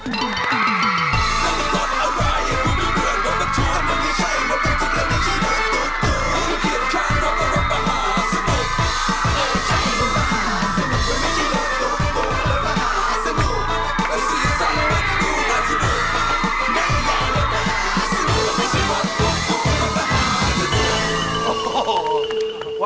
วันนี้เราไม่ได้มาแค่นี้นะครับ